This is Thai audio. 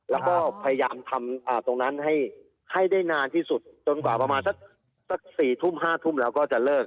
แล้วก็พยายามทำตรงนั้นให้ได้นานที่สุดจนกว่า๔๐๐๕๐๐แล้วก็จะเลิก